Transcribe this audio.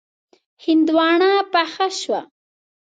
هندواڼه پخه شوه.